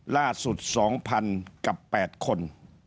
ล่าสุด๒๐๐๐กับ๘คน